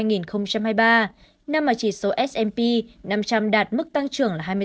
năm mà chỉ số s p năm trăm linh đạt mức tăng trưởng là hai mươi bốn